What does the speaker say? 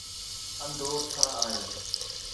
انڌو ڇا آهي؟